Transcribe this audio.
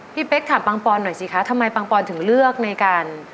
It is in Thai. พี่เป๊กถามปังปอนหน่อยสิคะทำไมปังปอนถึงเลือกในการ